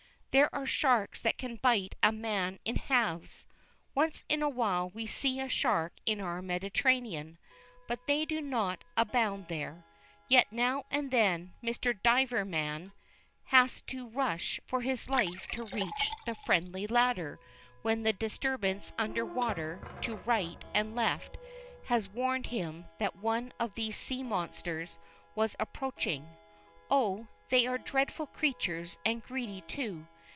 There are sharks that can bite a man in halves. Once in awhile we see a shark in our Mediterranean, but they do not abound there. Yet now and then Mister Diver man has had to rush for his life to reach the friendly ladder when the disturbance under water to right and left has warned him that one of these sea monsters was approaching. Oh, they are dreadful creatures, and greedy, too.